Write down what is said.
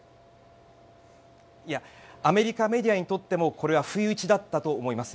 アメリカメディアにとってもこれは不意打ちだったと思います。